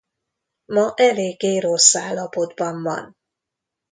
Ma eléggé rossz állapotban van.